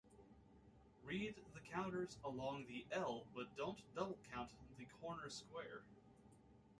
Read the counters along the L but don't double count the corner square.